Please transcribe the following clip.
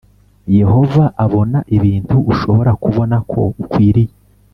Yehova abona ibintu ushobora kubona ko ukwiriye